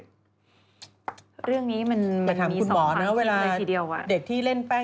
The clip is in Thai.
น้องกลัวอย่าไปแจ้งตำรวจดีกว่าเด็ก